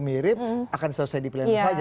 mirip akan selesai di pleno saja